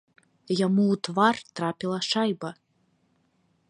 Яму у твар трапіла шайба.